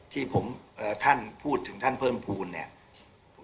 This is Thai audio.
ที่ผมท่านพูดถึงท่านเพิ่มภูมิเนี่ย